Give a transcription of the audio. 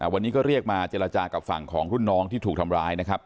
วันนี้ก็เรียกมาเจรจากับฝั่งของรุ่นน้องที่ถูกทำร้ายนะครับ